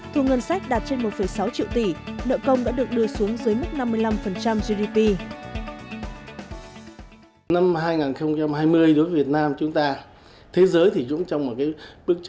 thu ngân sách đạt trên một sáu triệu tỷ nợ công đã được đưa xuống dưới mức năm mươi năm gdp